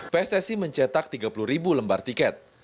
pssi mencetak tiga puluh ribu lembar tiket